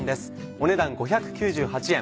お値段５９８円。